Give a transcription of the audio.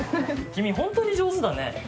君本当に上手だね。